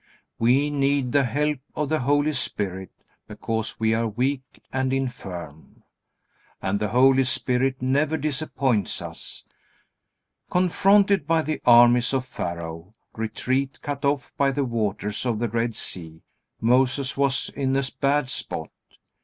We need the help of the Holy Spirit because we are weak and infirm. And the Holy Spirit never disappoints us. Confronted by the armies of Pharaoh, retreat cut off by the waters of the Red Sea, Moses was in a bad spot.